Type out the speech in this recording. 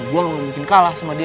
gue gak mungkin kalah sama dia